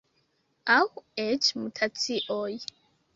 Aŭ eĉ mutacioj.